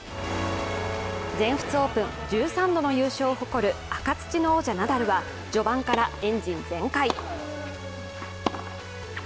全仏オープン、１３度の優勝を誇る赤土の王者、ナダルは序盤からエンジン全開。